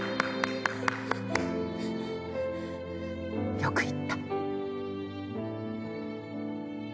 よく言った！